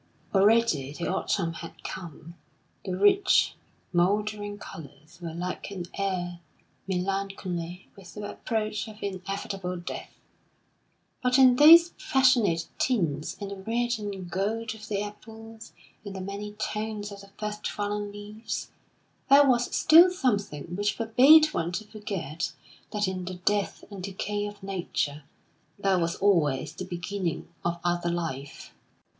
Already the autumn had come. The rich, mouldering colours were like an air melancholy with the approach of inevitable death; but in those passionate tints, in the red and gold of the apples, in the many tones of the first fallen leaves, there was still something which forbade one to forget that in the death and decay of Nature there was always the beginning of other life.